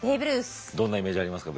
どんなイメージありますか？